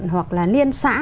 hoặc là liên xã